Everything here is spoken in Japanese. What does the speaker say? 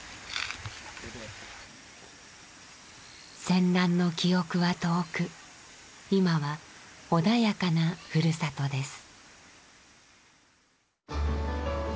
戦乱の記憶は遠く今は穏やかなふるさとです。